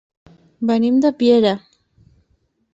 Venim de Piera.